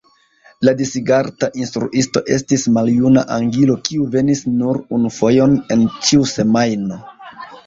La Disigarta instruisto estis maljuna angilo kiu venis nur unufojon en ĉiu semajno.